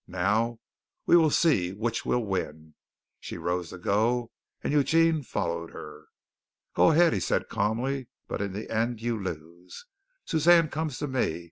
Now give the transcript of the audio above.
Now we will see which will win." She rose to go and Eugene followed her. "Go ahead," he said calmly, "but in the end you lose. Suzanne comes to me.